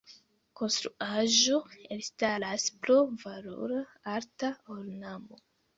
La konstruaĵo elstaras pro valora arta ornamo.